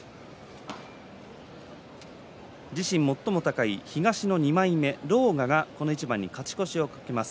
自身最も高い、東の２枚目狼雅が、この一番に勝ち越しを懸けます。